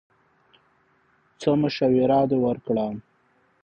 څه مشوره دې ورکړه!